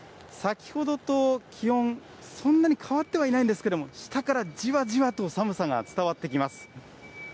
先ほどと気温、そんなに変わってはいないんですけれども、下からじわじわと寒さが伝わってきます。